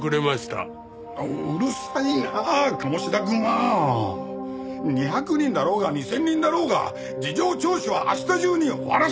うるさいなあ鴨志田くんは！２００人だろうが２０００人だろうが事情聴取は明日中に終わらせる！